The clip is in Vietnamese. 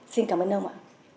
xin cảm ơn ông ạ